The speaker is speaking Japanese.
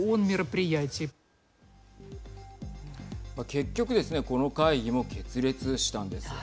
結局ですねこの会議も決裂したんです。